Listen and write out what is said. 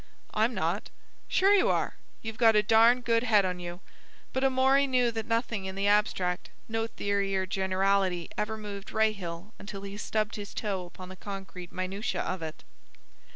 "I'm not." "Sure you are. You've got a darn good head on you." But Amory knew that nothing in the abstract, no theory or generality, ever moved Rahill until he stubbed his toe upon the concrete minutiae of it.